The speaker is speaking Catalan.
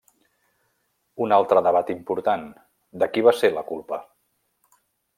Un altre debat important: de qui va ser la culpa?